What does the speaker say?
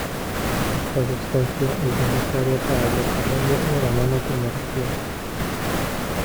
Esta sustancia es necesaria para el desarrollo de la nanotecnología.